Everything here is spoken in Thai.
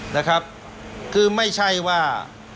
นะครับคือไม่ใช่ว่า